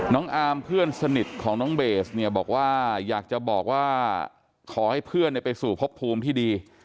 อาร์มเพื่อนสนิทของน้องเบสเนี่ยบอกว่าอยากจะบอกว่าขอให้เพื่อนไปสู่พบภูมิที่ดี